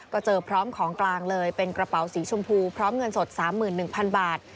ก็เจอพร้อมของกลางเลยเป็นกระเป๋าสีชมพูพร้อมเงินสด๓๑๐๐๐บาท